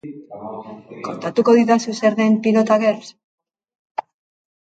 Kontatuko didazu zer den Pilota Girls?